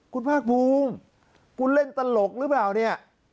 คุณพบคุณเล่นตลกหรือเปล่าเนี่ย